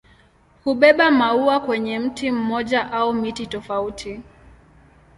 Hubeba maua kwenye mti mmoja au miti tofauti.